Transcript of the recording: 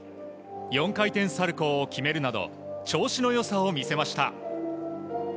４回転サルコーを決めるなど、調子のよさを見せました。